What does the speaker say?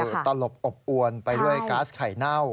คือตลบอบอวนไปด้วยก๊าซไข่เน่า